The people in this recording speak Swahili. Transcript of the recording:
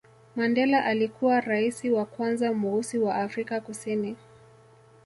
mandela alikuwa raisi wa kwanza mweusi wa afrika kusini